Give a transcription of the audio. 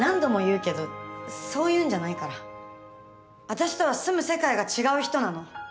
私とは住む世界が違う人なの。